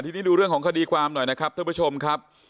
ทีนี้ดูเรื่องของคดีความหน่อยนะครับท่านผู้ชมครับ